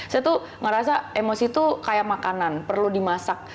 saya tuh ngerasa emosi tuh kayak makanan perlu dimasak